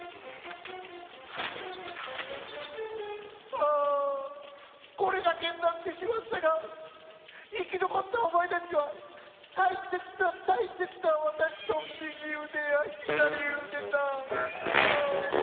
ああこれだけになってしまったが生き残ったお前たちは大切な大切な私の右腕や左腕だ。